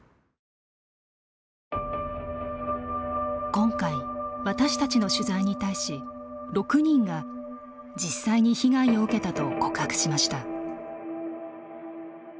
今回、私たちの取材に対し６人が実際に被害を受けたと告白しました。